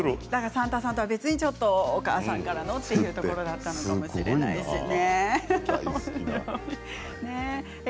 サンタさんとは別にお母さんからのということだったのかもしれないですね。